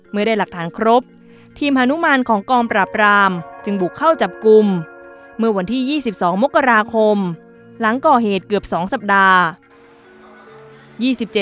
เมื่อได้หลักฐานครบทีมฮานุมานของกองปราบรามจึงบุกเข้าจับกลุ่มเมื่อวันที่๒๒มกราคมหลังก่อเหตุเกือบ๒สัปดาห์